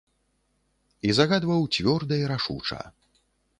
І загадваў цвёрда і рашуча.